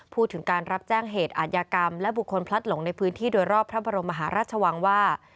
พูดถึงการรับแจ้งเหตุอาทยากรรมและบุคคลพลัดหลงในพื้นที่โดยรอบพระบรมมหาราชวังว่า